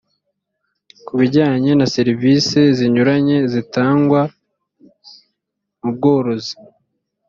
ku bijyanye na serivisi zinyuranye zitangwa mu bworozi